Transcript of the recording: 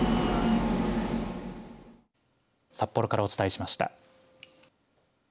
札幌からお伝えしました。